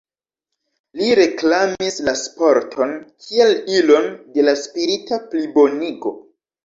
Li reklamis la sporton kiel ilon de la spirita plibonigo.